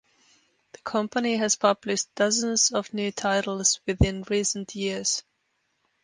The company has published dozens of new titles within recent years.